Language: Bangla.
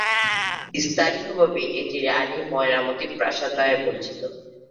স্থানীয়ভাবে এটি রানী ‘ময়নামতি প্রাসাদ’ নামে পরিচিত।